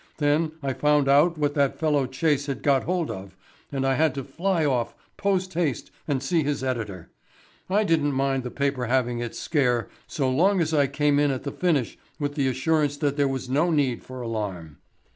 Then I found out what that fellow Chase had got hold of, and I had to fly off post haste and see his editor. I didn't mind the paper having its 'scare' so long as I came in at the finish with the assurance that there was no need for alarm.